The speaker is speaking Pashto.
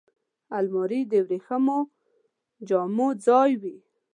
الماري د وریښمو جامو ځای وي